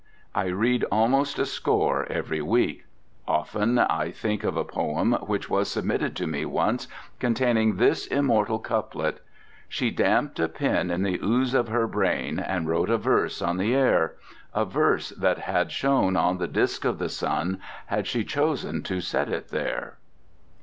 I read almost a score every week. Often I think of a poem which was submitted to me once, containing this immortal couplet: She damped a pen in the ooze of her brain and wrote a verse on the air, A verse that had shone on the disc of the sun, had she chosen to set it there.